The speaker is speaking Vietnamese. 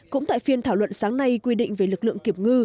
cũng tại phiên thảo luận sáng nay quy định về lực lượng kiểm ngư